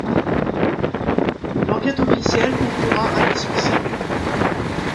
L'enquête officielle conclura à des suicides.